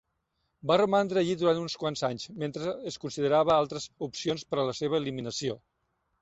Va romandre allí durant uns quants anys mentre es consideraven altres opcions per a la seva eliminació.